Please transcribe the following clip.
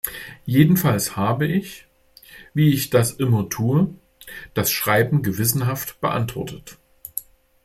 Jedenfalls habe ich, wie ich das immer tue, das Schreiben gewissenhaft beantwortet.